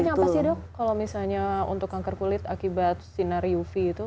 ini apa sih dok kalau misalnya untuk kanker kulit akibat sinar uv itu